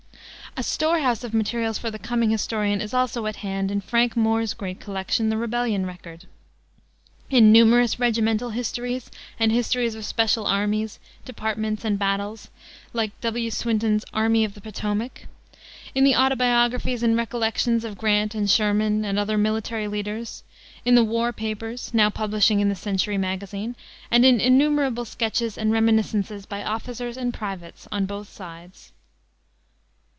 A storehouse of materials for the coming historian is also at hand in Frank Moore's great collection, the Rebellion Record; in numerous regimental histories and histories of special armies, departments, and battles, like W. Swinton's Army of the Potomac; in the autobiographies and recollections of Grant and Sherman and other military leaders; in the "war papers," now publishing in the Century magazine, and in innumerable sketches and reminiscences by officers and privates on both sides.